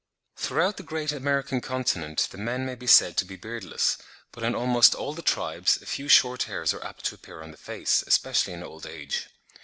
Throughout the great American continent the men may be said to be beardless; but in almost all the tribes a few short hairs are apt to appear on the face, especially in old age.